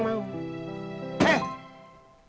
pilih yang sempurna